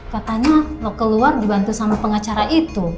katanya keluar dibantu sama pengacara itu